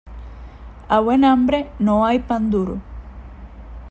A buen hambre no hay pan duro.